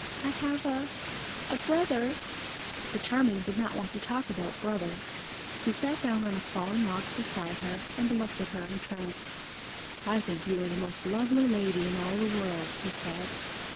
I have a a brother " But Charming did not want to talk about brothers. He sat down on a fallen log beside her, and looked at her entranced. "I think you are the most lovely lady in all the world," he said.